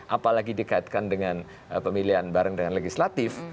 apalagi dikaitkan dengan pemilihan bareng dengan legislatif